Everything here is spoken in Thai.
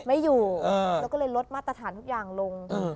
ไม่อยู่แล้วก็เลยลดมาตรฐานทุกอย่างลง